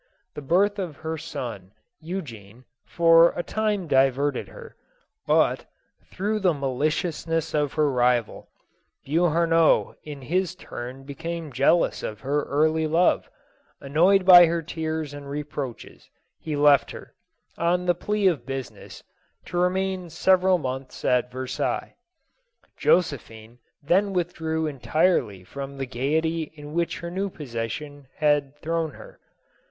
The birth of her son Eu gene, for a time diverted her, but, through the ma liciousness of her rival, Beauharnois in his turn became jealous of her early love ; annoyed by her tears and reproaches, he left her, on plea of business, to remain several months at Versailles. Josephine then withdrew entirely from the gayety in which her new position had thrown her.